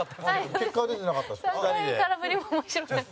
塙：結果は出てなかった。